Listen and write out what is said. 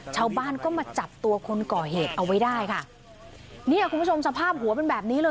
ชาวบ้านก็มาจับตัวคนก่อเหตุเอาไว้ได้ค่ะเนี่ยคุณผู้ชมสภาพหัวเป็นแบบนี้เลย